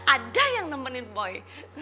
ada yang nemenin boy